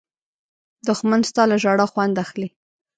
دښمن ستا له ژړا خوند اخلي